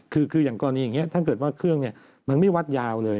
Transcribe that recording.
คืออย่างกรณีอย่างนี้ถ้าเกิดว่าเครื่องมันไม่วัดยาวเลย